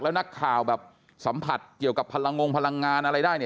แล้วนักข่าวแบบสัมผัสเกี่ยวกับพลังงงพลังงานอะไรได้เนี่ย